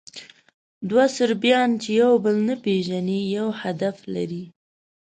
دوه صربیان، چې یو بل نه پېژني، یو هدف لري.